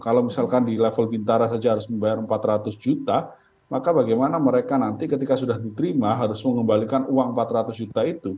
kalau misalkan di level bintara saja harus membayar empat ratus juta maka bagaimana mereka nanti ketika sudah diterima harus mengembalikan uang empat ratus juta itu